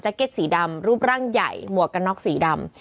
เก็ตสีดำรูปร่างใหญ่หมวกกันน็อกสีดำ